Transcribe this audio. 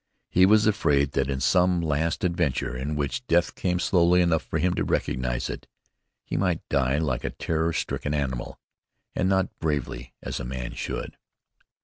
He was afraid that in some last adventure, in which death came slowly enough for him to recognize it, he might die like a terror stricken animal, and not bravely, as a man should.